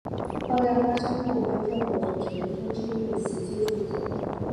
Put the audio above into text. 爆炸发生后没有任何组织宣称对袭击负责。